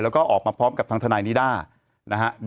แล้วก็ออกมาพร้อมกับทางทนายนิด้านะฮะ